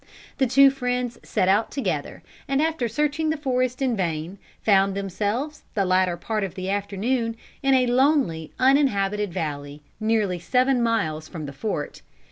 The two friends set out together, and after searching the forest in vain, found themselves, the latter part of the afternoon, in a lonely uninhabited valley, nearly seven miles from the fort.